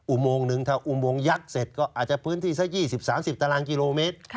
โมงหนึ่งถ้าอุโมงยักษ์เสร็จก็อาจจะพื้นที่สัก๒๐๓๐ตารางกิโลเมตร